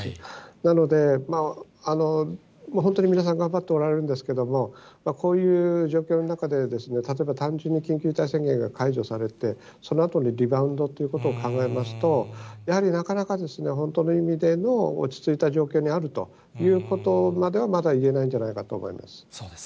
なので、本当に皆さん、頑張っておられるんですけども、こういう状況の中で、例えばに緊急事態宣言が解除されて、そのあとにリバウンドってことを考えますと、やはりなかなか本当の意味での落ち着いた状況にあるということまでは、まだ言えないんじゃないかと思います。